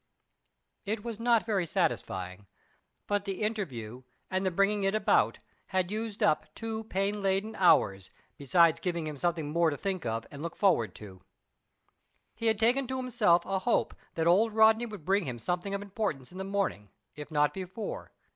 It was not very satisfying; but the interview, and the bringing it about, had used up two pain laden hours, besides giving him something more to think of and look forward to. He had taken to himself a hope that old Rodney would bring him something of importance in the morning, if not before.